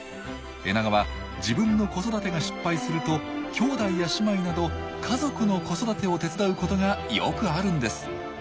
エナガは自分の子育てが失敗すると兄弟や姉妹など家族の子育てを手伝うことがよくあるんです。